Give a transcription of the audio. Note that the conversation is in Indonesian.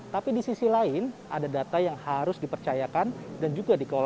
tapi di sisi lain ada data yang harus dipercayakan dan juga dikelola